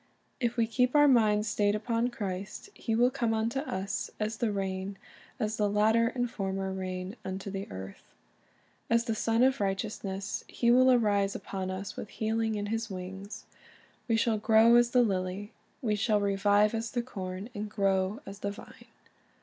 "' If we keep our minds stayed upon Christ, He will come unto us "as the rain, as the latter and former rain unto the earth." As the Sun of Righteousness, He will arise upon us "with healing in His wings." We shall "grow as the lily." We shall "revive as the corn, and grow as the vine."